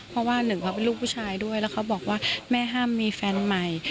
เพราะว่าหนึ่งเขาเป็นลูกผู้ชายด้วยแล้วเขาบอกว่าแม่ห้ามมีแฟนใหม่